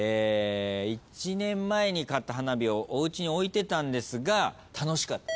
１年前に買った花火をおうちに置いてたんですが楽しかったです。